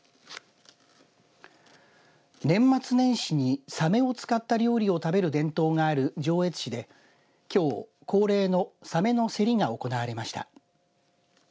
年末年始にさめを使った料理を食べる伝統がある上越市できょう、恒例のさめの競りが行われました。